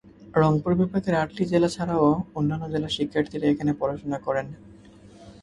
রংপুর বিভাগের আটটি জেলা ছাড়াও অন্যান্য জেলার শিক্ষার্থীরা এখানে পড়াশোনা করেন।